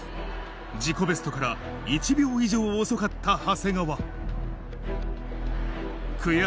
自己ベストから１秒以上遅かった長谷川。